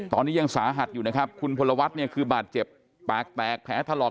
ตอนนี้ยังสาหัสอยู่นะครับคุณพลวัฒน์เนี่ยคือบาดเจ็บปากแตกแผลถลอก